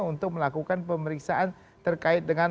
untuk melakukan pemeriksaan terkait dengan